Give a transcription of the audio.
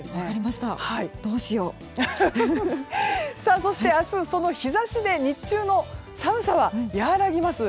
そして明日、その日差しで日中の寒さは和らぎます。